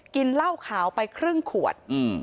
กินเหล้าขาวไปครึ่งขวด